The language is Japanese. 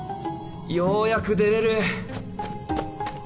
ようやく出れる！